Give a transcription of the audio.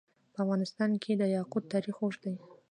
په افغانستان کې د یاقوت تاریخ اوږد دی.